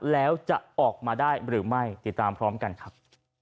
แล้วจะออกมาได้หรือไม่ติดตามพร้อมกันครับ